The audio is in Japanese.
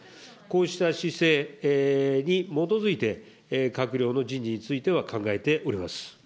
こうした姿勢に基づいて、閣僚の人事については考えております。